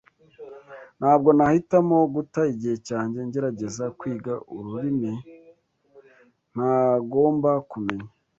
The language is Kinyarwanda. Ntabwo nahitamo guta igihe cyanjye ngerageza kwiga ururimi ntagomba kumenya.